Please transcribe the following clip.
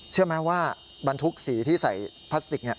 เชื่อไหมว่าบรรทุกสีที่ใส่พลาสติก